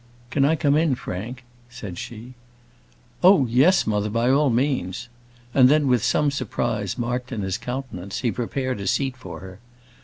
"Can I come in, Frank?" said she. "Oh, yes, mother; by all means:" and then, with some surprise marked in his countenance, he prepared a seat for her.